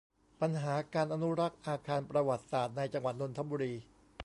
ปัญหาการอนุรักษ์อาคารประวัติศาสตร์ ในจังหวัดนนทบุรี